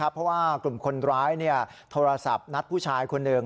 เพราะว่ากลุ่มคนร้ายโทรศัพท์นัดผู้ชายคนหนึ่ง